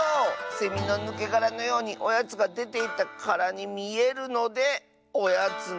セミのぬけがらのようにおやつがでていったからにみえるので「おやつのぬけがら」！